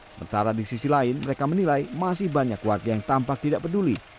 sementara di sisi lain mereka menilai masih banyak warga yang tampak tidak peduli